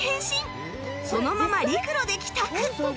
そのまま陸路で帰宅